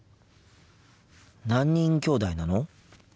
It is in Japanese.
何人きょうだいなの？